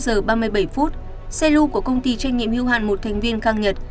xe lưu của công ty trách nhiệm hưu hạn một thành viên khang nhật